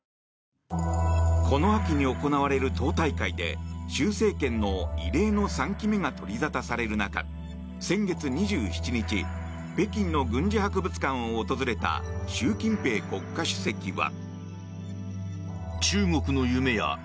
この秋に行われる党大会で習政権の異例の３期目が取り沙汰される中先月２７日、北京の軍事博物館を訪れた習近平国家主席は。